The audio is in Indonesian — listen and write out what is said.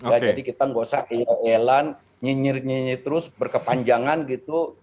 jadi kita nggak usah ee eelan nyinyir nyinyir terus berkepanjangan gitu